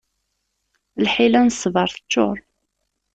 Lḥila n ssbaṛ teččur.